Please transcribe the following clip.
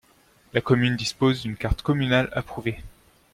La commune dispose d'une carte communale approuvée.